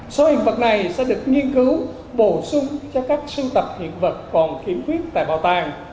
số hiện vật này sẽ được nghiên cứu bổ sung cho các sưu tập hiện vật còn khiếm khuyết tại bảo tàng